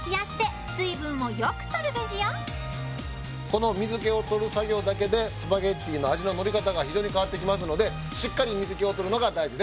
この水気を取る作業だけでスパゲティの味ののり方が非常に変わってきますのでしっかり水気を取るのが大事です。